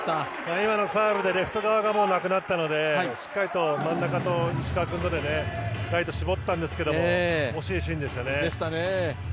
今のサーブでレフト側がなくなったのでしっかりと真ん中と石川君でライトに絞ったんですけど惜しいシーンでしたね。